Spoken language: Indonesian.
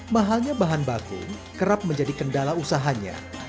mahalnya bahan baku kerap menjadi kendala usahanya